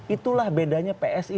itulah bedanya psi